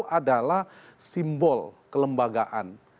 beliau adalah simbol kelembagaan